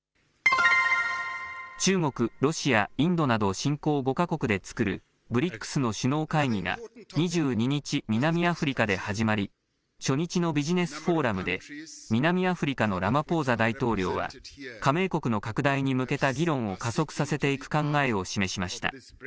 中国、ロシア、インドなど新興５か国で作るＢＲＩＣＳの首脳会議が２２日、南アフリカで始まり初日のビジネスフォーラムで南アフリカのラマポーザ大統領は加盟国の拡大に向けた議論を加速させていく考えを示しました。